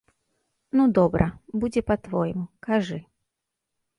Ну, добра, будзе па-твойму, кажы.